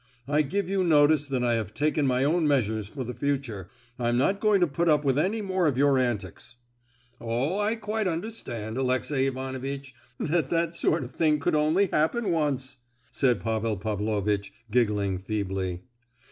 I give you notice that I have taken my own measures for the future, I'm not going to put up with any more of your antics." "Oh, I quite understand, Alexey Ivanovitch, that that sort of thing could only happen once!" said Pavel Pavlovitch, giggling feebly.